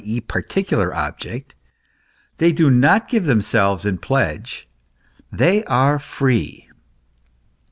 e., particular object; they do not give themselves in pledge; they are free.